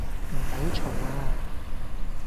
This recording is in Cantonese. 唔好嘈呀